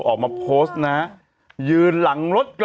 อ้าวไอ้ผีกูจะไปรู้เรื่องก็ได้ยังไง